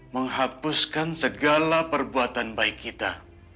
menghapuskan segala perbuatan baik kita